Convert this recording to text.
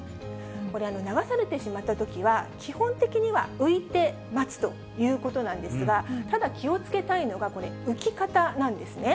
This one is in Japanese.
これ、流されてしまったときは、基本的には浮いて待つということなんですが、ただ、気をつけたいのが浮き方なんですね。